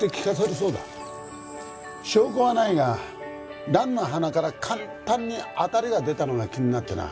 証拠はないが蘭の花から簡単に当たりが出たのが気になってな。